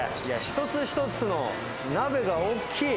一つ一つの鍋が大きい。